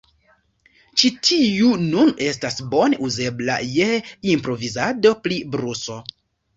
Ĉi tiu nun estas bone uzebla je improvizado pri bluso.